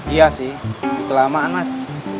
iya sih kelamaan mas